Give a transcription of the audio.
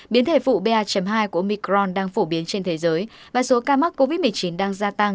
biến thể phụ ba hai của micron đang phổ biến trên thế giới và số ca mắc covid một mươi chín đang gia tăng